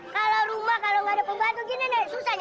kalau rumah kalau gak ada pegaan begini susah birthday iya iya